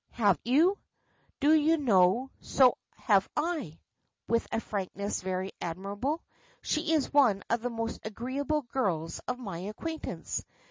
"Have you? Do you know, so have I," with a frankness very admirable. "She is one of the most agreeable girls of my acquaintance.